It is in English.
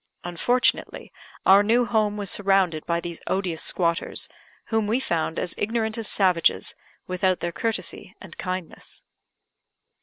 Unfortunately, our new home was surrounded by these odious squatters, whom we found as ignorant as savages, without their courtesy and kindness.